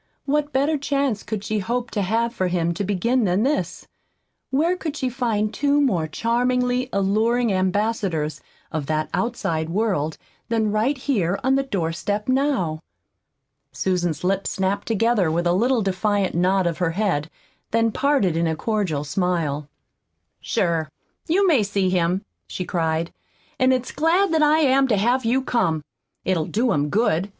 What better chance could she hope to have for him to begin than this? Where could she find two more charmingly alluring ambassadors of that outside world than right here on the door step now? Susan's lips snapped together with a little defiant nod of her head, then parted in a cordial smile. "Sure, you may see him," she cried, "an' it's glad that I am to have you come! It'll do him good.